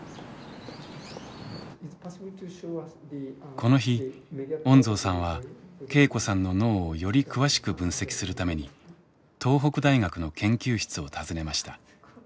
この日恩蔵さんは恵子さんの脳をより詳しく分析するために東北大学の研究室を訪ねました。